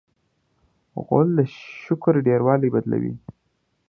غول د شکر ډېروالی بدلوي.